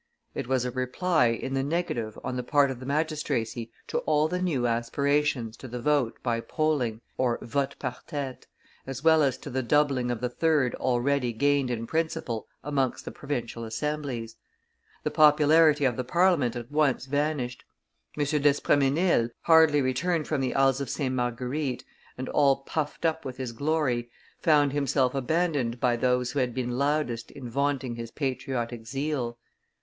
It was a reply in the negative on the part of the magistracy to all the new aspirations to the vote by polling (vote par tete) as well as to the doubling of the third already gained in principle amongst the provincial assemblies; the popularity of the Parliament at once vanished. M. d'Espremesnil, hardly returned from the Isles of St. Marguerite, and all puffed up with his glory, found himself abandoned by those who had been loudest in vaunting his patriotic zeal.